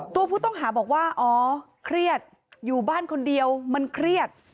ตัวผู้ต้องหาบอกว่าอ๋อเครียดอยู่บ้านคนเดียวมันเครียด